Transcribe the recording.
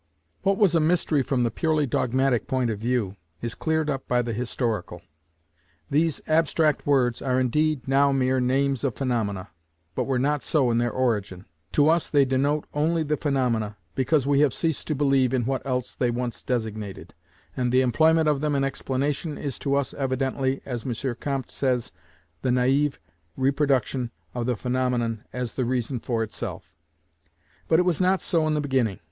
What was a mystery from the purely dogmatic point of view, is cleared up by the historical. These abstract words are indeed now mere names of phaenomena, but were not so in their origin. To us they denote only the phaenomena, because we have ceased to believe in what else they once designated; and the employment of them in explanation is to us evidently, as M. Comte says, the naïf reproduction of the phaenomenon as the reason for itself: but it was not so in the beginning.